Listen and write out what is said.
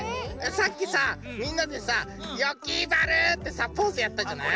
さっきさみんなでさ「よきまる！」ってポーズやったじゃない。